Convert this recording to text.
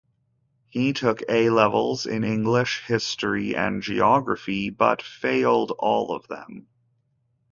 He took A-levels in English, history and geography, but failed all of them.